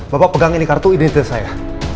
bapak pegang ini kartu identitas saya